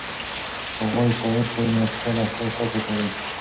که غواړئ شاعر شئ نو خپل احساسات وپالئ.